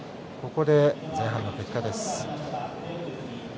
ここで前半の結果です。